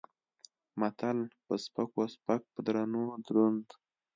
متل: په سپکو سپک په درونو دروند.